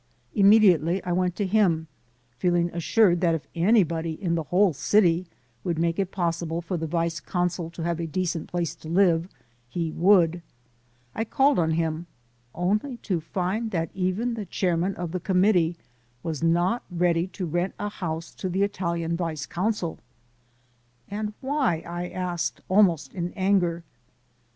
Immediately I went to him, feeling assured that if anybody in the whole city would make it possible for the Vice Consul to have a decent place to live in, he would. I called on him only to find that even the chairman of the Com mittee was not ready to rent a house to the Italian Vice Consul. "And why?" I asked, almost in anger.